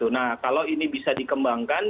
nah kalau ini bisa dikembangkan